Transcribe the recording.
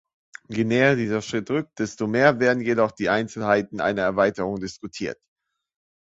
Je näher dieser Schritt rückt, desto mehr werden jedoch die Einzelheiten einer Erweiterung diskutiert.